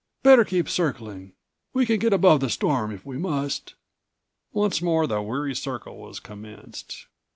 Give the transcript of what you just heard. "Better keep circling. We can get above the storm if we must." Once more the weary circle was commenced.